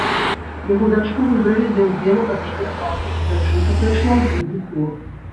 Яго дачку выбралі для ўдзелу ад яе класа, і дзяўчынка прайшла ў другі тур.